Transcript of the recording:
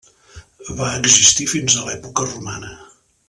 Va existir fins a l'època romana.